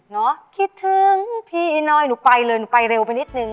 คิดถึงพี่อีน้อยหนูไปเลยหนูไปเร็วไปนิดนึง